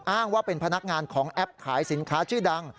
อ้างว่าเป็นพนักงานของแอปขายสินค้าชื่อดัง